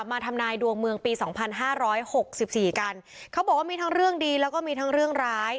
มาทำนายดวงเมืองปีสองพันห้าร้อยหกสิบสี่กันเขาบอกว่ามีทั้งเรื่องดีแล้วก็มีทั้งเรื่องร้าย